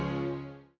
tante suka berubah